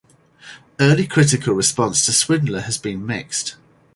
Early critical response to Swindler has been mixed.